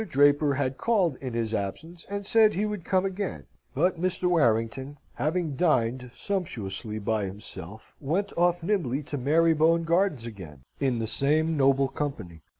Draper had called in his absence, and said he would come again; but Mr. Warrington, having dined sumptuously by himself, went off nimbly to Marybone Gardens again, in the same noble company.